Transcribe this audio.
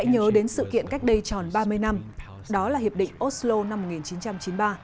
nhớ đến sự kiện cách đây tròn ba mươi năm đó là hiệp định oslo năm một nghìn chín trăm chín mươi ba